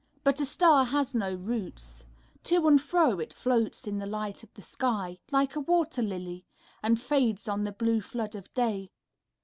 'But a star has no roots : to and fro It floats in the light of the sky, like a wat«r ]ily. And fades on the blue flood of day.